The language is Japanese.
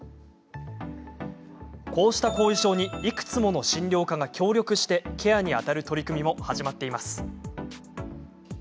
こうした後遺症にいくつもの診療科が協力してケアにあたる取り組みも始まっています。